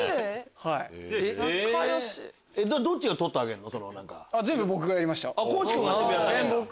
どっちが取ってあげるの？